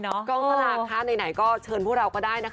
กองสลากคะไหนก็เชิญพวกเราก็ได้นะคะ